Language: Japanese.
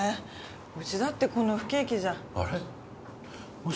うちだってこの不景気じゃあれっ？